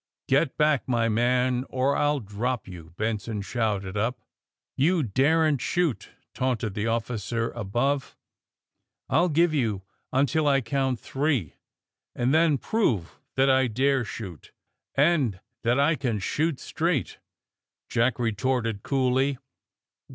^*Get back, my man, or I'll drop you!" Ben son shouted up. '*You daren't shoot I" taunted the officer aboYe. 210 THE SUBMAEINE BOYS *'I'll give yon until I count three, and tlieii prove that I dare shoot, and that I can shoot straight, '' Jack retorted coolly.